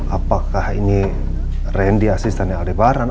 apakah ini randy asistennya aldebaran